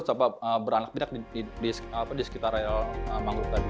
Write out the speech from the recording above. sama beranak anak di sekitar mangrove tadi